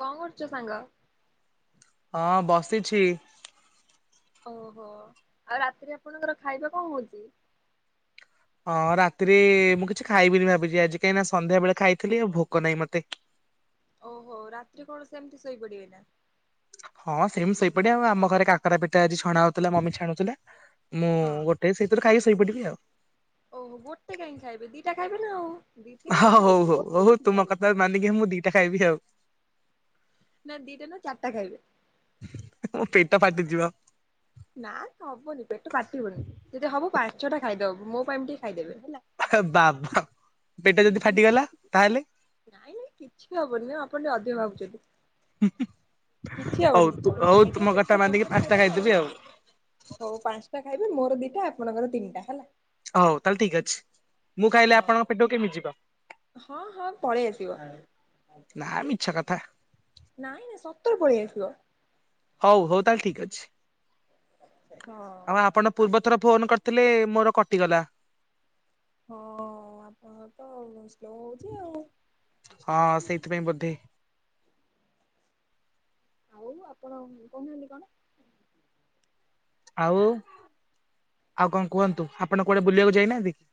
କଣ କରୁଚୁ ସାଙ୍ଗ? ହଁ ବସିଛି। ଓହୋ ଆଉ ରାତିରେ ଆପଣଙ୍କର ଖାଇବା କଣ ହଉଛି? ହଁ ରାତିରେ ମୁଁ କିଛି ଖାଇବିନି ଭାବିଛି ଆଜି କାଇ ହିଁ ନା ସନ୍ଧ୍ୟା ବେଳେ ଖାଇଥିଲି ଆଉ ଭୋକ ନାହିଁ ମତେ। ଓହୋ ରାତିରେ କଣ ସେମିତି ଶୋଇପଡିବେ ନା। ହଁ ସେମିତି ସେଇପଡିଆ ଆଉ ଆମ ଘରେ କାକରା ପିଟା ଆଜି ଛଣା ହଉଥିଲା ମମି ଛାଣୁଥିଲା ମୁଁ ହଁ ଗୋ ସେଇଥିରେ ଖାଇକ ସୋଇପଡ଼ିବି ଆଉ। ଓହୋ ଗୋଟେ କାହିଁ ଖାଇବେ ଦିଟା ଖାଇବେ ନା ଆଉ ଦି ନିଟା ଖାଇବେ ଗୋଟେ କେମିତି ଖାଇବେ। ମାଳିକେ ମୁଁ ଦିଟା ଖାଇବି ଆଉ। ନା ଦିଟା ନୁହଁ ଚାରିଟା ଖାଇବେ। ମୋ ପେଟ ଫାଟି ଯିବ। ନା ହବନି ପେଟ କାଟିବୁନି ଯଦି ହବ ପାଞ୍ଚ ଛଅ ଟା ଖାଇଦବ ମୋ ପାଇଁ ଟିକେ ଖାଇଦେବେ ହେଲା। ବାବା ପେଟ ଯଦି ଫାଟିଗଲା ତାହେଲେ? ନାଇଁ ନାଇଁ କିଛି ବି ହବନି ଆଉ ଆପଣ ଟିକେ ଅଧିକ ଭାବୁଛନ୍ତି? କିଛି ହଉ ହବନି ତୁ କିଛି ହବନି ହଉ ତୁମ ଖାଇଦେବେ କଥା ପେଟ ଫୁଲ ମାନିକି କରି ପାଞ୍ଚଟା ଖାଇଦେ ଆଉ। ଖାଇଦେବି ହଉ ପାଞ୍ଚଟା ଖାଇବେ ମୋର ଦିଟା ଆପଣଙ୍କର ତିନିଟା ହେଲା। ହଉ ତାହେଲେ ଠିକ ଅଛି ମୁଁ ଖାଇଲେ ହଁ ଆପଣଙ୍କ ପେଟକୁ କେମିତି ଯିବ? ହଁ ହଁ ପଳେଇ ଆସିବ। ନା ମିଛ କଥା। ନାଇଁ ନାଇଁ ସତରେ ପଳେଇ ଆସିବ। ହଉ ହଉ ତାହେଲେ ଠିକ ଅଛି ହଁ ଆଉ ଆପଣ ପୂର୍ବ ଥର ଫୋନ୍ କରିଥିଲେ ମୋର କଟିଗଲା। ହଁ ଆପଣଙ୍କର ତ ସ୍ଲୋ ହଉଛି ଆଉ। ହଁ ସେଇଥିପାଇଁ ବୋଧେ। ଆଉ ଆପଣ କହୁହାନ୍ତି କଣ? ଆଉ ଆଉ କଣ କୁହନ୍ତୁ ଆପଣ କୁଆଡେ ବୁଲିବାକୁ ଯାଇନାହାନ୍ତି କି?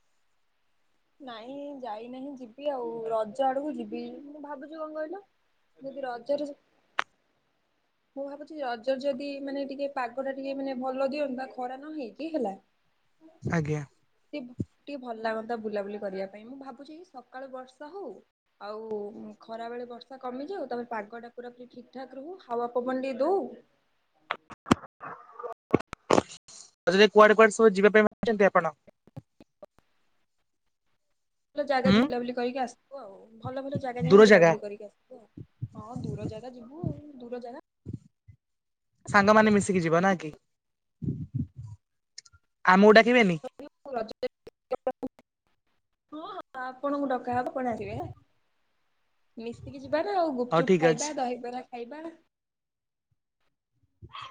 ନାଇଁ ଯାଇନାହିଁ ଯିବି ଆଉ ରଜ ଆଡକୁ ଯିବି ମୁଁ ଭାବୁଛି କଣ କହିଲ? ଯଦି ରଜରେ ମୁଁ ଭାବୁଛି ରଜ ଯଦି ମାନେ ଟିକେ ପାଗ ଟା ଟିକେ ମାନେ ଭଲ ଦିଅନ୍ତା ଖରା ନ ହେଇକି ହେଲା। ହୁଁ। ଆଜ୍ଞା। ସେ ଟିକେ ଭଲ ଲାଗନ୍ତା ବୁଲାବୁଲି କରିବା ପାଇଁ ମୁଁ ଭାବୁଛି ଏଇ ସକାଳୁ ବର୍ଷା ହଉ। ଆଉ ଖରାବେଳେ ବର୍ଷା କମିଯାଉ ତମେ ପାଗ ଠାକୁରା ପୁର ଠିକ୍ ଠାକ୍ ରହୁ ହାୱା ପବନ ଟିକେ ଦେଉ। କୁଆଡେ କୁଆଡ ସବୁ ଯିବା ପାଇଁ ବାହାରି ଛନ୍ତି ଆପଣ? ଭଲ ଜାଗା ହୁଁ ଯ ବୁଲାବୁଲି କରିକି ଆସିବୁ ଆଉ ଭଲ ଭଲ ଜାଗା ଯାଇକି ବୁଲାବୁଲି କରିକି ଆସିବୁ ଆଉ। ହଁ ଦୂର ଜାଗା ଯିବୁ ଦୂର ଜାଗା। ସାଙ୍ଗମାନେ ମିଶିକି ଯିବ ନା କି ଆମକୁ ଡାକିବେନି? [unintelligible] ହଁ ହଁ ଆପଣଙ୍କୁ ଡକା ହବ କଣ ଆସିବେ? ମିଶିକି ଯିବାନା ଆଉ ହଉ ଗୁପଚୁପ୍ ଠିକ ଅଛି ଖାଇବା ଦହିବରା ଖାଇବା। ହ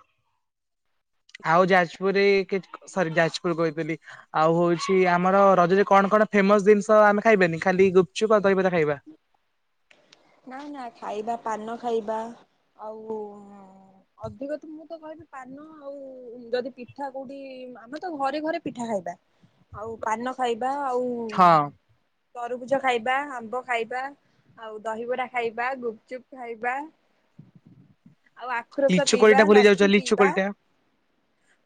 ଆଉ ଯାଜପୁରରେ ସରି ଯାଜପୁର କହିଥିଲି? ଆଉ ହଉଛି ଆମର ରଜରେ କଣ କଣ ଫେମସ ଜିନିଷ ଆମେ ଖାଇବାନି ଖାଲି ଗୁପଚୁପ ଦହିବରା ଖାଇବା। ନା ନା ଖାଇବା ପାନ ଖାଇବା ଆଉ ଅଧିକ ତ ମୁଁ ତ କହିବି ପାନ ଆଉ ଯଦି ପିଠା କୋଉଠି ଆମେ ତ ଘରେ ଘରେ ପିଠା ଖାଇବା। ଆଉ ପାନ ଖାଇବା ଆଉ ହୁଁ ହଁ ତରଭୁଜ ଖାଇବା ଆମ୍ବ ଖାଇବା ଆଉ ଦହିିବରା ଖାଇବା ଗୁପଚୁପ ଖାଇବା। ଆଉ ଆଖୁ ରସ ଲିଚୁ କୋଳି ଟା ପିଇବା ଭୁଲି ଯାଉଛ ଲସି ଲିଚୁ ପିଇବା। କୋଳି ଟା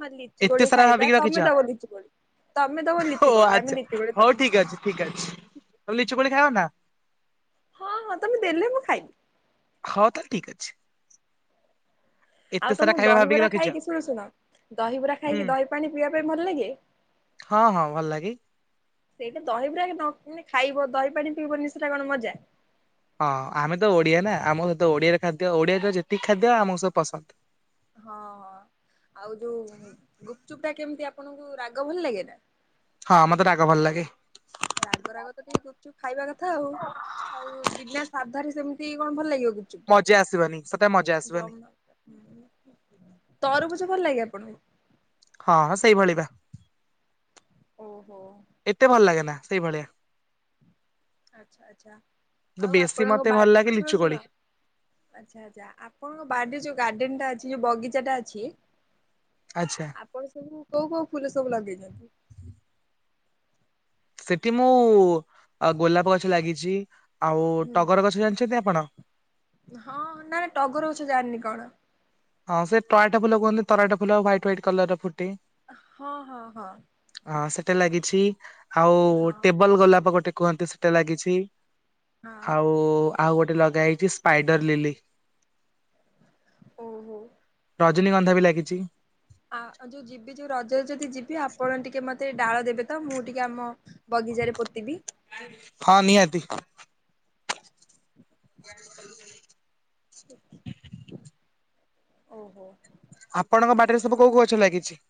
ହଁ ଲିଚୁ ଏତେ କୋଳି ସାରା ଖାଇବା ଭାବିକି ରଖିଛ ତମେ ଦବ ଲିଚି କୋଳି? ତମେ ତମ ଓ ଲିଚି କୋଳି ଆଚ୍ଛା। ଆମେ ଲିଚି କ ତମ ଲିଚି କୋଳି ଖାଇବା ନା? ହଁ ହଁ ତମେ ଦେଲେ ମୁଁ ଖାଇବି। ହଁ ତାଲେ ଠିକ ଅଛି। ଏତେ ଆଉ ସାରା ତମକୁ ଖାଇବା ଭାବିକି ଦହିବରା ରଖିଛ ଖାଇକି ଶୁଣୁ ଶୁଣ ଦହିବରା ହୁଁ। ଖାଇକି ଦହି ପାଣି ପିଇବା ପାଇଁ ଭଲ ଲାଗେ? ହଁ ହଁ ଭଲ ଲାଗେ। ସେଇଟା ଦହି ପୁରାନେ ଖାଇବ ଦହି ପାଣି ପିଇବନି ସେଟା କଣ ମଜା? ହଁ ଆମେ ତ ଓଡିଆ ନା ଆମ ସହିତ ଓଡିଆରେ ଖାଦ୍ୟ ଓଡିଆ ର ଯେତିକି ଖାଦ୍ୟ ଆମକୁ ସ ପସନ୍ଦ। ହଁ ଆଉ ଯୋଉ ଗୁପଚୁପ୍ ଟା କେମିତି ଆପଣଙ୍କୁ ରାଗ ଭଲ ଲାଗେ ନା? ହଁ ମତେ ରାଗ ଭଲ ଲାଗେ। ରାଗ ରାଗ ତ ଟିକେ ଗୁପଚୁପ୍ ଖାଇବା କଥା ଆଉ ଆଉ ବିନା ସାଧାରେ ସେମିତି କଣ ଭଲ ଲାଗିବ କି? ମଜା ଆସିବନି ସତ ରେ ମଜା ଆସିବନି। ତରଭୁଜ ଭଲ ଲାଗେ ଆପଣଙ୍କୁ? ହଁ ସେଇଭଳି ବା। ଓହୋ। ଏତେ ଭଲ ଲାଗେ ନା ସେଇଭଳିଆ। ଆଚ୍ଛା ଆଚ୍ଛା କିନ୍ତୁ ଆଉ ବେଶୀ ଆପଣଙ୍କ ମତେ ବା ଭଲ ଲାଗେ ଶୁଣ ଲିଚୁକୋଳି ଶୁଣ ଆଚ୍ଛା ଆଚ୍ଛା ଆପଣଙ୍କ ବାଡିରେ ଯୋଉ ଗାର୍ଡେନ ଟା ଅଛି ଯୋଉ ବଗିଚା ଟା ଅଛି ଆଚ୍ଛା। ଆପଣ ସବୁ କୋଉ କୋଉ ଫୁଲ ସବୁ ଲଗେଇଛନ୍ତି? ସେଠି ମୁଁ ଗୋଲାପ ଗଛ ଲାଗିଛି ଆଉ ହୁଁ ଟଗର ଗଛ ଜାଣିଛନ୍ତି ଆପଣ? ହଁ ନା ନା ଟଗର ଗଛ ଜାଣିିନି କଣ। ହଁ ସେ ତରାଟ ଫୁଲ କୁହନ୍ତି ତରାଟ ଫୁଲ ହ୍ୱାଇଟ ହ୍ୱାଇଟ କଲର ର ଫୁଟେ। ହଁ ହଁ ହଁ। ଅଁ ସେଟା ଲାଗିଛି ଆଉ ହଁ। ଟେବଲ ଗୋଲାପ ଗୋଟେ କୁହନ୍ତି ସେଟା ଲାଗିଛି। ହଁ ଆଉ ଆଉ ଗୋଟେ ଲଗା ହେଇଛି ସ୍ପାଇଡର ଲିଲି। ଓହୋ। ରଜନୀଗନ୍ଧା ବି ଲାଗିଛି। ଆ ଯୋଉ ଯିବି ଯୋଉ ରଜ ରେ ଯଦି ଯିବି ଆପଣ ଟିକେ ମତେ ଡାଳ ଦେବେ ତ ମୁଁ ଟିକେ ଆମ ବଗିଚାରେ ପୋତିିବି। ହଁ ନିଆତି। ଓହୋ। ଆପଣଙ୍କ ବାଡିରେ ସବୁ କୋଉ କଉ ଗଛ ଲାଗିଛି?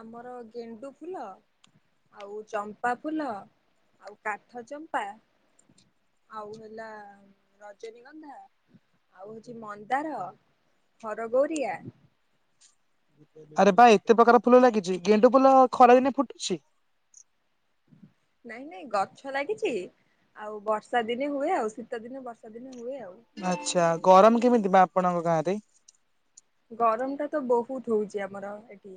ଆମର ଗେଣ୍ଡୁ ଫୁଲ ଆଉ ଚମ୍ପା ଫୁଲ, ଆଉ କାଠ ଚମ୍ପା ଆଉ ହେଲା ରଜନୀଗନ୍ଧା ଆଉ ହଉଛି ମନ୍ଦାର, ହରଗୌରିଆ ଆରେ ବା ଏତେ ପ୍ରକାର ଫୁଲ ଲାଗିଛି। ଗେଣ୍ଡୁ ଫୁଲ ଖରା ହଁ ଦିନେ ଫୁଟୁଛି? ନାଇଁ ନାଇଁ ଗଛ ଲାଗିଛି। ଆଉ ବର୍ଷା ଦିନେ ହୁଏ ଆଉ ଶୀତ ଦିନେ ବର୍ଷା ଦିନେ ହୁଏ ଆଉ। ଆଚ୍ଛା ଗରମ କେମିତି ବା ଆପଣଙ୍କ ଗାଁ ରେ? ଗରମ ଟା ତ ବହୁତ ହଉଛି ଆମର ଏଠି।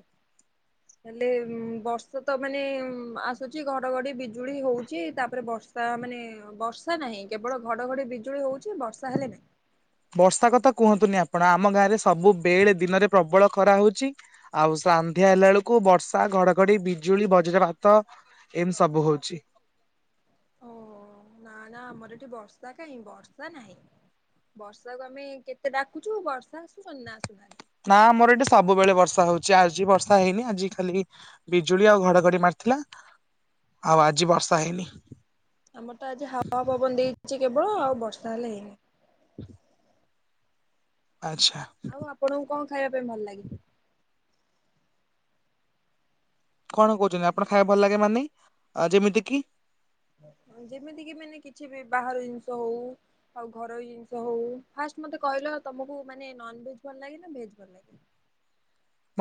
ହେଲେ ଉଁ ବର୍ଷ ତ ମାନେ ଉଁ ଆସୁଛି ଘଡଘଡି ବିଜୁଳି ହଉଛି ତାପରେ ବର୍ସ ଷା ମାନେ ବର୍ଷା ନାହିଁ କେବଳ ଘଡଘଡ଼ି ବିଜୁଳି ହଉଚି ବର୍ଷା ହେଲେ ନାହିଁ। ବର୍ଷା କଥା କୁହନ୍ତୁନି ଆପଣ ଆମ ଗାଁରେ ସବୁ ବେଳେ ଦିନରେ ପ୍ରବଳ ଖରା ହଉଚି। ଆଉ ସାନ୍ଧ୍ୟା ହେଲା ବେଳକୁ ବର୍ଷା, ଘଡଘଡି, ବିଜୁଳି, ବଜ୍ରପାତ। ଏମିତି ସବୁ ହଉଚି। ଓହୋ ନା ନା ଆମର ଏଠି ବର୍ଷା କାହିଁ ବର୍ଷା ନାହିଁ। ବର୍ଷାକୁ ଆମେ କେତେ ଡାକୁଚୁ ବର୍ଷା ଆସୁଚନ୍ତି ନା ଆସୁନାହାନ୍ତି। ନା ଆମର ଏଠି ସବୁବେଳେ ବର୍ଷା ହଉଚି ଆଜି ବର୍ଷା ହେଇନି ଆଜି ଖାଲି। ବିଜୁଳି ଆଉ ଘଡଘଡି ମାରିଥିଲା ଆଉ ଆଜି ବର୍ଷା ହେଇନି। ଆମର ତ ଆଜି ହାୱା, ପବନ ଦେଇଛି କେବଳ ଆଉ ବର୍ଷା ହେଲେ ହେଇନି। ହୁ ଆଚ୍ଛା। ଆଉ ଆପଣଙ୍କୁ କଣ ଖାଇବା ପାଇଁ ଭଲ ଲାଗେ? କଣ କହୁଛନ୍ତି ଆପଣ ଖାଇବା ଭଲ ଲାଗେ ମାନେ ଆ ଯେମିତି କିି? ଯେମିତି କିି ମାନେ କିଛି ବି ବାହାର ଜିନିଷ ହଉ। ଆଉ ଘରୋଇ ଜିନିଷ ହଉ। ଫାର୍ଷ୍ଟ ମତେ କହିଲ ତମକୁ ମାନେ ନନ ଭେଜ ଭଲ ଲାଗେ ନା ଭେଜ ଭଲ ଲାଗେ?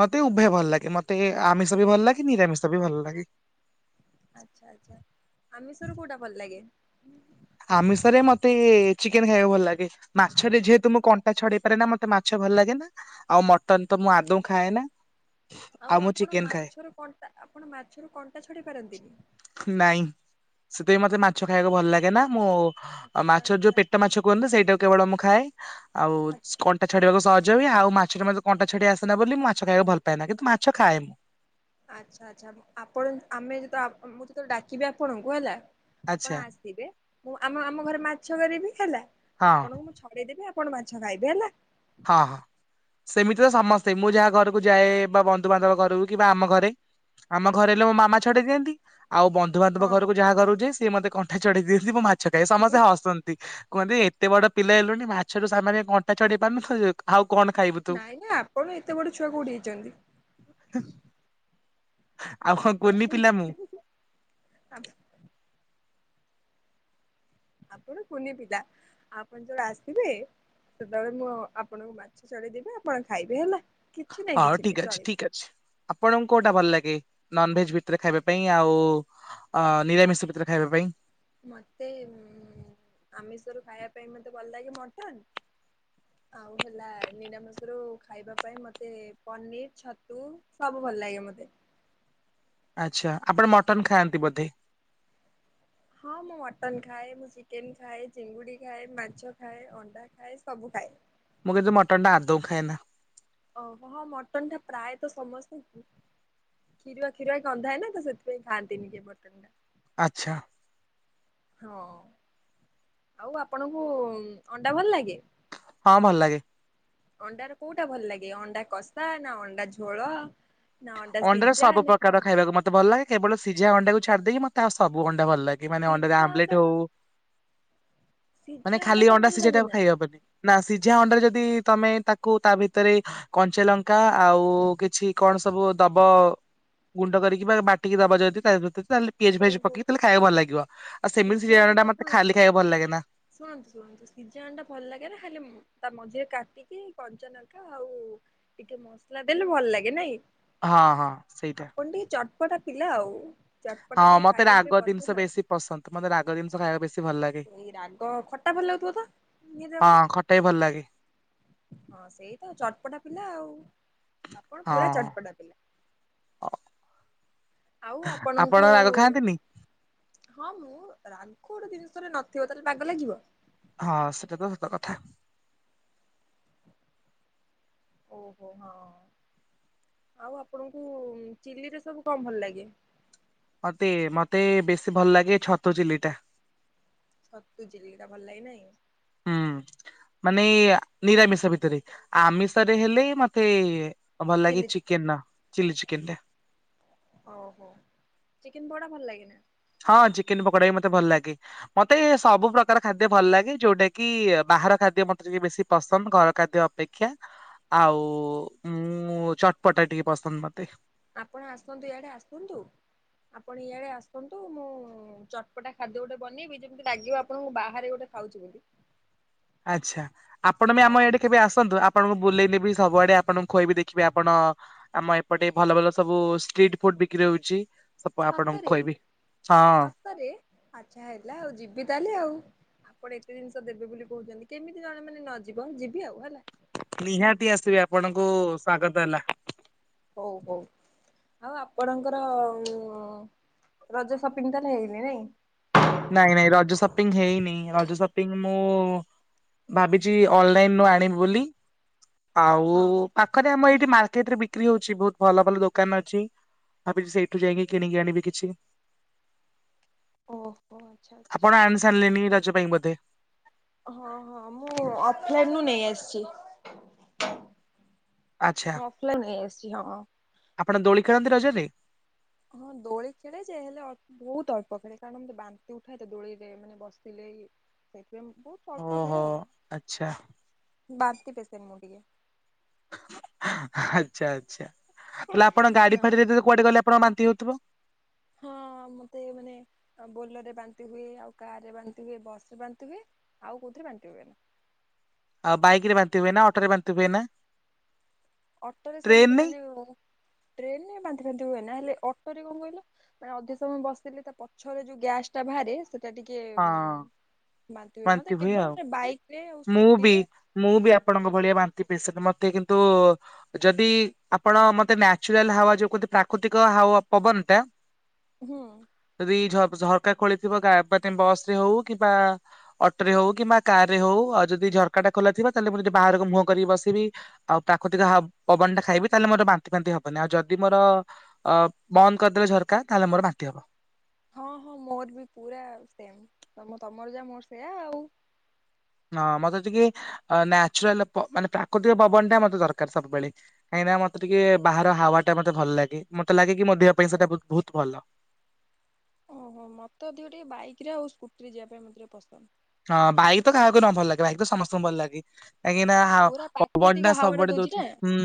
ମତେ ଉଭୟ ଭଲ ଲାଗେ ମତେ ଆମିଷ ବି ଭଲ ଲାଗେ ନିରାମିଷ ବି ଭଲ ଲାଗେ। ଆଚ୍ଛା ଆଚ୍ଛା ଆମିଷରୁ କଉଟା ଭଲ ଲାଗେ? ଆମିଷରେ ମତେ ଚିକେନ ଖାଇବାକୁ ଭଲ ଲାଗେ। ମାଛରେ ଯେହେତୁ ମୁଁ କଣ୍ଟା ଛଡେଇ ପାରେ ନା ମତେ ମାଛ ଭଲ ଲାଗେ ନା। ଆଉ ମଟନ ତ ମୁଁ ଆଦୌ ଖାଏ ନା। ଆଉ ମୁଁ ଆପଣ ଚିକେନ ଖାଏ ମାଛରୁ କଣ୍ଟା ଆପଣ ମାଛରୁ କଣ୍ଟା ଛଡ଼େଇ ପାରନ୍ତିନି। ନାଇଁ ସେଥିପାଇଁ ମତେ ମାଛ ଖାଇବାକୁ ଭଲ ଲାଗେ ନା ମୁଁ। ଆଉ ଆଚ୍ଛା ମାଛର ଯୋଉ ଆଚ୍ଛା ପେଟ ମାଛ କୁହନ୍ତି ସେଇଟା କେବଳ ମୁଁ ଖାଏ ଆଉ ଆଚ୍ଛା କଣ୍ଟା। ଛଡ଼େଇବାକୁ ସହଜ ହୁଏ ଆଉ ମାଛରେ ମତେ କଣ୍ଟା ଛଡ଼େଇ ଆସେନା ବୋଲି ମୁଁ ମାଛ ଖାଇବାକୁ ଭଲ ପାଏନା ନା କିନ୍ତୁ ମାଛ ଖାଏ ମୁଁ। ଆଚ୍ଛା ଆଚ୍ଛା ଆପଣ ଆମେ ଯେତେ ଆ ଅ ମୁଁ ଯେତେବେଳେ ଡାକିବି ଆପଣଙ୍କୁ ହେଲା। ଆପଣ ଆଚ୍ଛା ଆସିବେ ମୁଁ ଆମ ଆମ ଘରେ ମାଛ କରିବି ହେଲା ହଁ ଆପଣଙ୍କୁ ମୁଁ ଛଡେଇଦେବି ଆ ଆପଣ ମାଛ ଖାଇବେ ହେଲା। ହଁ ହଁ। ସେମିତି ତ ସମସ୍ତେ ମୁଁ ଯାହା ଘରକୁ ଯାଏ ବା ବନ୍ଧୁବାନ୍ଧବ ଘରକୁ କି ବା ଆମ ଘରେ। ଆମ ଘରେ ହେଲେ ମୋ ମାମା ଛଡେଇ ଦିଅନ୍ତି ଆଉ ବ ଧୁବାନ୍ଧବ ହଁ। ଘରକୁ ଯାହା ଘରୁକୁ ଯାଏ ସିଏ ମତେ କଣ୍ଟା ଛଡେଇ ଦିଅନ୍ତି ମୁଁ ମାଛ ଖାଏ ସମସ୍ତେ ହସ ଚି କୁହନ୍ତି ଏତେ ବଡ ପିଲା ହେଲୁଣି ମାଛରୁ ସାମାନ୍ୟ କଣ୍ଟା ଛଡେଇ ପାରୁନୁ [unintelligible] ଆଉ କଣ ଖାଇବୁ? ତୁ। ନାଇଁ ନାଇଁ ଆପଣ ଏତେ ବଡ଼ ଛୁଆ କୋଉଠି ହେଇଛନ୍ତି? ହ ଆପଣ [unintelligible] ଆପ ଆପଣ କୁନି ପିଲା ଆପଣ ଯଳେ ଆସିବେ। ସେତେବେଳେ ମୁଁ ଆପଣଙ୍କୁ ମାଛ ଛଡ଼େଇଦେବି ଆପଣ ଖାଇବେ ହେଲା କିଛି ନାଇଁ ହଉ କିଛି ଠିକ ନାଇଁ ଅଛି ଚଳି ଠିକ ଅଛି। ଆପଣଙ୍କୁ କୋଉଟା ଭଲ ଲାଗେ ନନଭେଜ ଭିତରେ ଖାଇବା ପାଇଁ ଆଉ? ଅ ନିରାମିଷ ଭିତରେ ଖାଇବା ପାଇଁ। ମୋତେ ଉଁ ଆମିଷରୁ ଖାଇବା ପାଇଁ ମୋତେ ଭଲ ଲାଗେ ମଟନ୍। ଆଉ ହେଲା ନିରାମିଷରୁ ଖାଇବା ପାଇଁ ମୋତେ ପନିର, ଛତୁ ସବୁ ଭଲ ଲାଗେ ମୋତେ। ଆଚ୍ଛା ଆପଣ ମଟନ ଖାଆନ୍ତି ବୋଧେ। ହଁ ମୁଁ ମଟନ୍ ଖାଏ ମୁଁ ଚିକେନ ଖାଏ ଚିଙ୍ଗୁଡ଼ି ଖାଏ ମାଛ ଖାଏ ଅଣ୍ଡା ଖାଏ ସବୁ ଖାଏ। ମୁଁ କିନ୍ତୁ ମଟନ୍ ଟା ଆଦୌ ଖାଏ ନା। ଓହୋ ହୋ ମଟନ ଟା ପ୍ରାୟତ ସମସ୍ତେ ଖୀରୁଆ ଖୀରୁଆ ଗନ୍ଧାଏ ନା ତ ସେଥିପାଇଁ ଖାନ୍ତିନି କିଏ ମଟନ ଟା। ଆଚ୍ଛା। ହଁ ଆଉ ଆପଣଙ୍କୁ ଅଣ୍ଡା ଭଲ ଲାଗେ? ହଁ ଭଲ ଲାଗେ। ଅଣ୍ଡାରେ କୋଉଟା ଭଲ ଲାଗେ ଅଣ୍ଡା କଷା ନା ଅଣ୍ଡା ଝୋଳ? ନା ଅଣ୍ଡା ଅଣ୍ଡାରେ ସିଝା ସବୁ ନା ପ୍ରକାର କଣ? ଖାଇବାକୁ ମତେ ଭଲ ଲାଗେ। କେବଳ ସିଝା ଅଣ୍ଡାକୁ ଛାଡି ଦେଇକି ମତେ ଆଉ ସବୁ ଅଣ୍ଡା ଭଲ ଲାଗେ ମାନେ ଅଣ୍ଡା ରେ ସିଝା ଆମଲେଟ୍ ଟା ହଉ। ମାନେ ସିଝା ଖାଲି ଟା ଅଣ୍ଡା ଭଲ ସିଝଟା ଲାଗେ ନା? ଖାଇ ହବନି। ନା ସିଝା ଅଣ୍ଡା ରେ ଯଦି ତମେ ତାକୁ ତା ଭିତରେ କଞ୍ଚାଲଙ୍କା ଆଉ କିଛି କଣ ସବୁ ଦବ ଗୁଣ୍ଡ କରିକି ବା ବାଟିକି ଦବ ଯଦି ତା ଭିତରେ ତାହେଲେ ପିଆଜ ଫିଆଜ ଓହୋ ପକେଇ ତାହେଲେ ଖାଇବାକୁ ଭଲ ଲାଗିବ, ଆଉ ସେମିତି ସିଝା ଅଣ୍ଡା ଟା ଶୁଣ ମତେ ଶୁଣ ଖାଲି ଖାଇବା ଭଲ ଲାଗେ ନା। ଶୁଣନ୍ତୁ ଶୁଣନ୍ତୁ। ସିଝା ଅଣ୍ଡା ଭଲ ଲାଗେ ନା ଖାଲି ତା ମଝିରେ କାଟିକି କଞ୍ଚା ଲଙ୍କା ଆଉ ଟିକେ ମସଲା ଦେଲେ ଭଲ ଲାଗେ ନାଇଁ। ହଁ ହଁ ସେଇଟା। ଆପଣ ଟିକେ ଚଟପଟା ପିଲା ଆଉ। ହଁ ଚଟପଟା ଟିକେ ମତେ ଖାଇବାକୁ ଟିକେ ରାଗ ପସନ୍ଦ ଜିନିଷ ଆଉ। ବେଶୀ ପସନ୍ଦ, ମତେ ରାଗ ଜିନିଷ ଖାଇବା ବେଶୀ ଭଲ ଲାଗେ। ଏଇ ରାଗ ଖଟା ଭଲ ଲାଗୁଥିବ ତ ନିହାତି ହଁ ଭାବରେ ଖଟା ବି ଭଲ ଲାଗେ। ହଁ ସେଇ ତ ଚଟପଟା ପିଲା ଆଉ ଆପଣ ହଁ। ପୁରା ଚଟପଟା ପିଲା। ଆଉ ଆପଣ ଆପଣଙ୍କୁ ରାଗ ଖାଆନ୍ତିନି? ହଁ ମୁଁ ରାଗୋ ଗୋଟେ ଜିନିଷରେ ନଥିବ ତାହେଲେ ବାଗ ଲାଗିବ। ହଁ ସେଟା ତ ସତ କଥା। ଓହୋ ହଁ ଆଉ ଆପଣଙ୍କୁ ଚିଲ୍ଲିରେ ସବୁ କଣ ଭଲ ଲାଗେ? ମତେ ମତେ ବେଶୀ ଭଲ ଲାଗେ ଛତୁ ଚିଲି ଟା। ଛତୁଚିଲି ଟା ଭଲ ଲାଗେ ନାଇ। ହୁଁ ମାନେ ଏ ଇ ନିରାମିଷ ଭିତରେ, ଆମିଷ ରେ ହେଲେ ମତେ ଭଲ ଲାଗେ ଚିଲି ଚିକେନ ଚିକେନର ଚିଲି ଚିକେନ ଟା। ଓହୋ ଚିକେନ ପକଡ଼ା ଭଲ ଲାଗେ ନା? ହଁ ଚିକେନ ପକୋଡା ବି ମତେ ଭଲ ଲାଗେ। ମତେ ସବୁ ପ୍ରକାର ଖାଦ୍ୟ ଭଲ ଲାଗେ ଯୋଉଟା କି ବାହାର ଖାଦ୍ୟ ମତେ ଟିକେ ବେଶୀ ପସନ୍ଦ, ଘର ଖାଦ୍ୟ ଅପ ପେକ୍ଷା ଆଉ ମୁଁ ଚଟପଟା ଟିକେ ପସନ୍ଦ ମତେ। ଆପଣ ଆସନ୍ତୁ ଇଆଡ଼େ ଆସନ୍ତୁ, ଆପଣ ଇଆଡ଼େ ଆସନ୍ତୁ ମୁଁ ଚଟପଟା ଖାଦ୍ୟ ଗୋଟେ ବନେଇବି ଯେମିତି ଲାଗିବ ଆପଣଙ୍କୁ ବାହାରେ ଗୋଟେ ଖାଉଛି ବୋଲି। ଆଚ୍ଛା, ଆପଣ ବି ଆମ ହଁ ଇଆଡେ କେବେ ଆସନ୍ତୁ ଆପ ଆପଣଙ୍କୁ ବୁଲେଇନେବି ସବୁଆଡେ ଆପଣଙ୍କୁ ଖୁଆଇବି ଦେଖିବେ ଆପଣ ଆମ ଏପଟେ ଭଲ ଭଲ ସବୁ ଷ୍ଟ୍ରିଟ୍ ଫୁଡ ବିକ୍ରି ହଉଛି। ସବୁ ଆପଣଙ୍କୁ ସତରେ, ଖୁଆଇବି ହଁ। ସତରେ ଆଚ୍ଛା ହେଲା ଆଉ ଯିବି ତାହେଲେ ଆଉ। ଆପଣ ଏତେ ଜିନିଷ ଦେବେ ବୋଲି କହୁଛନ୍ତି କେମିତି ଜଣେ ମାନେ ନଯିବ ଯିବି ଆଉ ହେଲା। ନିହାତି ଆସିବେ ଆପଣଙ୍କୁ ସ୍ଵାଗତ ହେଲା। ହଉ ହଉ। ଆଉ ଆପଣଙ୍କର ରଜ ସପିଙ୍ଗ ତାଲେ ହେଇନି ନାଇଁ। ନାଇଁ ନାଇଁ ରଜ ସପିଙ୍ଗ ହେଇନେଇ ରଜ ସପିଙ୍ଗ ମୁଁ ଭାବିଚି ଅନଲାଇନ୍ ରୁ ଆଣିବି ବୋଲି ଆଉ ହଁ ପା ଖରେ ଆମର ଏଇଠି ମାର୍କେଟ ରେ ବିକ୍ରି ହଉଛି ବହୁତ ଭଲ ଭଲ ଦୋକାନ ଅଛି। ଭାବିଚି ସେଇଠୁ ଯାଇଁକି କିଣିକି ଆଣିବି କିଛି। ଓ। ଓ ଆଚ୍ଛା। ଆଚ୍ଛା। ଆପଣ ଆଣି ସାରିଲେନି ରଜ ପାଇଁ ବୋଧେ? ହଁ ହଁ ମୁଁ ଅଫଲାଇନ୍ ରୁ ନେଇ ଆସିଛି। ଆଚ୍ଛା। ମୁଁ ଅଫଲାଇନ୍ ନେଇ ଆସିଛି ହଁ। ଆପଣ ଦୋଳି ଖେଳନ୍ତି ରଜରେ? ହଁ ଦୋଳି ଖେଳେ ଯେ ହେଲେ ଅ ବହୁତ ଅଳ୍ପ ଖେଳେ କାରଣ ମତେ ବାନ୍ତି ଉଠାଏ ତ ଦୋଳିରେ ମାନେ ବସିଲେ ସେଇଥିପାଇଁ ବହୁତ୍ ଅଳ୍ପ ଖେଳେ ଓହୋ ଆଉ ଆଚ୍ଛା। ବାନ୍ତି ପେସେଣ୍ଟେ ମୁଁ ଟିକେ। ଆଚ୍ଛା ଆଚ୍ଛା ତାଲେ ଆପଣ ଗାଡି ହଁ ଫାଡିରେ କୁଆଡେ ଗଲେ ଆପଣ ବାନ୍ତି ହଉଥିବ? ହଁ ମୋତେ ମାନେ ବୋଲରେ ବାନ୍ତି ହୁଏ ଆଉ କାରେ ବାନ୍ତି ହୁଏ ବସ ରେ ବାନ୍ତି ହୁଏ। ଆଉ କୋଉଥିରେ ବାଣ୍ଟି ହୁଏନି। ଆଉ ବାଇକିରେ ବାନ୍ତି ହୁଏନା ଅଟୋରେ ବାନ୍ତି ହୁଏନା? ଅଟୋରେ ସେମିତି ମାନେ ଟ୍ରେନରେ ବାନ୍ତି ଫାନ୍ତି ହୁଏନା ହେଲେ ଅଟୋରେ କଣ କହିଲ ମାନେ ଅଧିକ ସମୟ ବସିଲେ ତା ପଛରେ ଯୋଉ ଗ୍ୟାସ ଟା ବାହାରେ ସେ ସେ ଟିକେ ହଁ ବାନ୍ତି ହୁଏ ମତେ କେବଳ ବାଇକରେ ଆଉ ମୁଁ ବି ସ୍କୁଟିରେ ମୁଁ ବି ଆପଣଙ୍କ ଭଳିଆ ବାନ୍ତି ପେସେଣ୍ଟେ ମତେ କିନ୍ତୁ ଯଦି ଆପଣ ମତେ ନ୍ୟଚୁରାଲ ହାୱା ଯୋଉ କହନ୍ତି ପ୍ରାକୃତିକ ହାୱା ପବନଟା ହଁ ଯଦି ଝ ଝରକା ଖୋଳିଥିବ ଗା ପାନେ ବସ୍ ରେ ହଉ କିମ୍ବା ଅଟୋ ରେ ହଉ କିମ୍ବା କାର ରେ ହଉ ଆଉ ଯଦି ଝରକା ଟା ଖୋଲା ଥିବ ତାହେଲେ ମୁଁ ଯଦି ବାହାରକୁ ମୁହଁ କରିକି ବସିବି ଆଉ ପ୍ରାକୃତିକ ହା ପବନ ଟା ଖାଇବି ତାହେଲେ ମୋର ବାନ୍ତି ଫାନ୍ତି ହବନି ଆଉ ଯଦି ମୋର ଅ ବନ୍ଦ କରିଦେଲେ ଝରକା ତାହେଲେ ମୋର ବାନ୍ତି ହବ। ହଁ ହଁ ମୋର ବି ପୁରା ସେମେ୍ ତମ ତମର ଯା ମୋର ସେୟା ଆଉ। ହଁ ମତେ ଟିକେ ନ୍ୟଚୁରାଲ ମାନେ ପ୍ରାକୃତିକ ପବନ ଟା ମତେ ଦରକାର ସବୁବେଳେ। କାହିଁକିନା ମତେ ଟିକେ ବାହାର ହାୱାଟା ମତେ ଭଲ ଲାଗେ ମତେ ଲାଗେ କି ମୋ ଦେହ ପାଇଁ ସେଇଟା ବହୁତ ଭଲ। ଓହୋ ମତେ ଅଧିକ ଟିକେ ବାଇକିରେ ଆଉ ସ୍କୁଟିରେ ଯିବା ପାଇଁ ମତେ ଟିକେ ପସନ୍ଦ। ହଁ ବାଇକ୍ ତ କାହାକୁ ନ ଭଲ ଲାଗେ ବାଇକ ତ ସମସ୍ତଙ୍କୁ ଭଲ ଲାଗେ। କାହିଁକି ନା ହଁ ପୁରା ପ୍ରାକୃତିକ ପବନଟା ହାୱା ଟା ସବୁଆଡ଼େ ଦଉଛି ନା। ଦୋଉଥୁବ ହୁଁ।